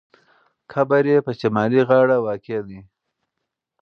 قبر یې په شمالي غاړه واقع دی.